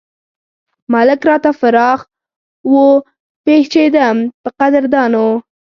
ملک راته فراخ وو پېښېدم پۀ قدردانو